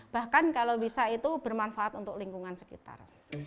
bahkan kalau bisa itu bermanfaat untuk lingkungan sekitar